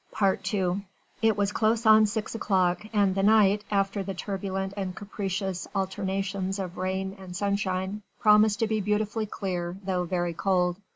II It was close on six o'clock and the night, after the turbulent and capricious alternations of rain and sunshine, promised to be beautifully clear, though very cold.